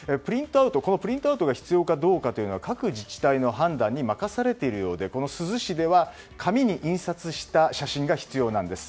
プリントアウトが必要かどうかというのは各自治体の判断に任されているようで珠洲市では紙に印刷した写真が必要なんです。